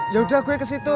yaudah gue kesitu